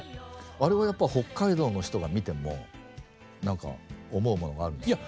あれはやっぱ北海道の人が見てもなんか思うものがあるんですか？